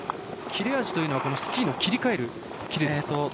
切れ味というのはスキーの切り替えですか？